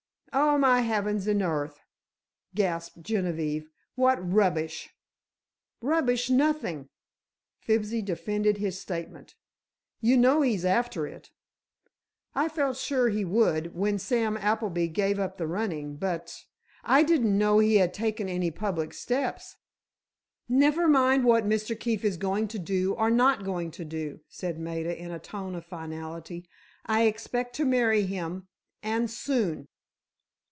"Oh, my heavens and earth!" gasped Genevieve, "what rubbish!" "Rubbish, nothing!" Fibsy defended his statement. "You know he's after it." "I felt sure he would, when Sam Appleby gave up the running—but—I didn't know he had taken any public steps." "Never mind what Mr. Keefe is going to do, or not going to do," said Maida, in a tone of finality, "I expect to marry him—and soon."